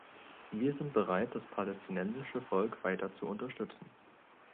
Wir sind bereit, das palästinensische Volk weiter zu unterstützen.